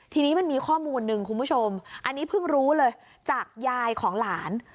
ทีนี้มันมีข้อมูลหนึ่งคุณผู้ชมอันนี้เพิ่งรู้เลยจากยายของหลาน